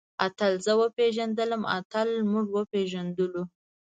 اتل زه وپېژندلم. اتل موږ وپېژندلو.